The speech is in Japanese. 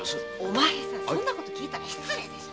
そんなこと訊いたら失礼でしょ！